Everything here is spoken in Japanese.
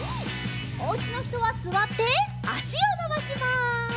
おうちのひとはすわってあしをのばします。